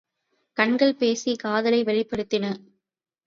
கண்கள் பேசிக் காதலை வெளிப்படுத்தின.